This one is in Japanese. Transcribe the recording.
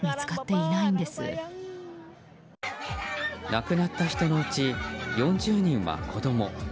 亡くなった人のうち４０人は子供。